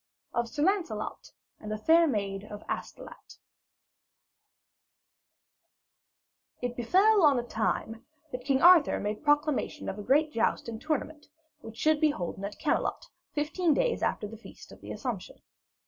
IX OF SIR LANCELOT AND THE FAIR MAID OF ASTOLAT It befell on a time that King Arthur made proclamation of a great joust and tournament which should be holden at Camelot fifteen days after the Feast of the Assumption.